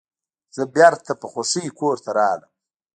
زه بیرته په خوښۍ کور ته راغلم.